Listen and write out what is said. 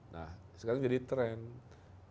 nah sekarang jadi trend